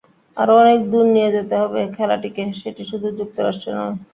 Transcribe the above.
আরও অনেক দূর নিয়ে যেতে হবে খেলাটিকে, সেটি শুধু যুক্তরাষ্ট্রে নয়।